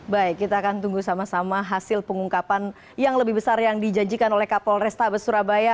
baik kita akan tunggu sama sama hasil pengungkapan yang lebih besar yang dijanjikan oleh kapol restabes surabaya